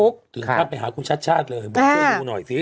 ค่ะถึงถ้าไปหาคุณชัดเลยโดยรู้หน่อยซิ